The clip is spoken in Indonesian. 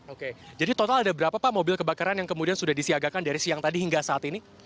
oke jadi total ada berapa pak mobil kebakaran yang kemudian sudah disiagakan dari siang tadi hingga saat ini